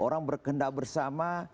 orang berkendak bersama